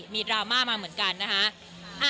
ดราม่ามาเหมือนกันนะคะ